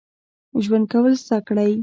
ژوند کول زده کړئ